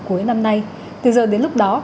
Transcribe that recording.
cuối năm nay từ giờ đến lúc đó